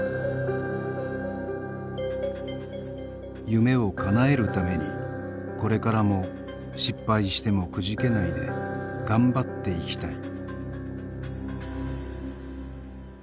「夢をかなえるためにこれからも失敗してもくじけないでがんばって行きたい」。